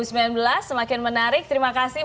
semakin menarik terima kasih